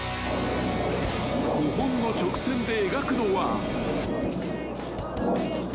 ［５本の直線で描くのは］